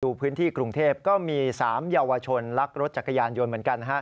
พื้นที่กรุงเทพก็มี๓เยาวชนลักรถจักรยานยนต์เหมือนกัน